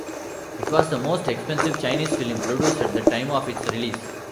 It was the most expensive Chinese film produced at the time of its release.